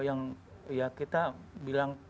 yang ya kita bilang